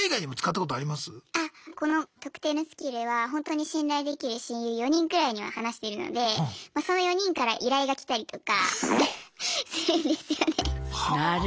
この「特定」のスキルはほんとに信頼できる親友４人くらいには話してるのでその４人から依頼がきたりとかするんですよね。